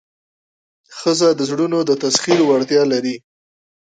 ښځه د زړونو د تسخیر وړتیا لري.